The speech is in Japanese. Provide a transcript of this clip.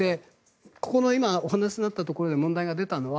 ここのお話になったところで問題が出たのは。